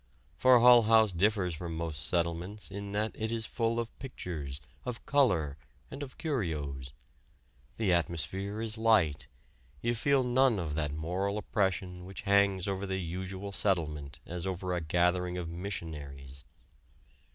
For Hull House differs from most settlements in that it is full of pictures, of color, and of curios. The atmosphere is light; you feel none of that moral oppression which hangs over the usual settlement as over a gathering of missionaries.